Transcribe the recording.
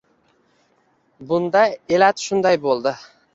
Bunda elat shunday bo‘ldi